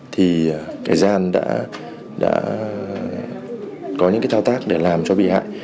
thì kẻ gian đã có những cái thao tác để làm cho bị hại